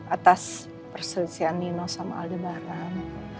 atas perselisihan nino sama aldebaran